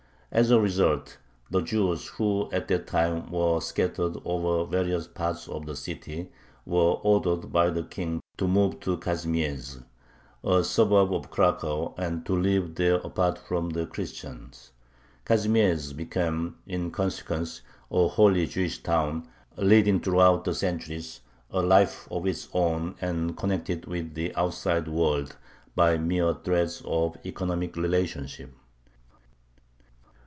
As a result, the Jews, who at that time were scattered over various parts of the city, were ordered by the King to move to Kazimiezh, a suburb of Cracow, and to live there apart from the Christians. Kazimiezh became, in consequence, a wholly Jewish town, leading throughout the centuries a life of its own, and connected with the outside world by mere threads of economic relationship.